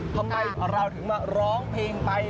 ทำไมเราถึงมาร้องเพลงไป